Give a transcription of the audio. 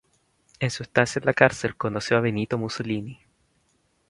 En su estancia en la cárcel conoció a Benito Mussolini.